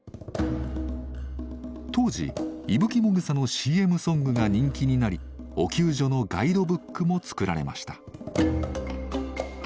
当時伊吹もぐさのＣＭソングが人気になりお灸所のガイドブックも作られました。